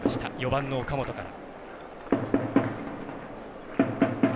４番の岡本から。